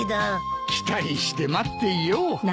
期待して待っていよう。